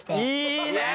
いいね！